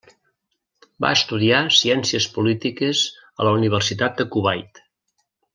Va estudiar Ciències polítiques a la Universitat de Kuwait.